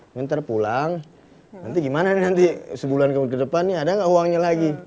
nanti pulang nanti gimana nih nanti sebulan ke depan nih ada nggak uangnya lagi